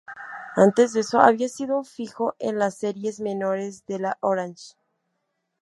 Antes de eso, había sido un fijo en las series menores de la "oranje".